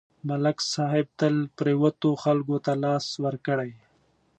ملک صاحب تل پرېوتو خلکو ته لاس ورکړی